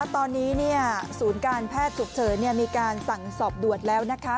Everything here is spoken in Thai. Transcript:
ตอนนี้ศูนย์การแพทย์ฉุกเฉินมีการสั่งสอบด่วนแล้วนะคะ